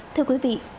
thưa quý vị